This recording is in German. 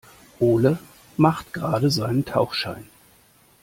Ole macht gerade seinen Tauchschein.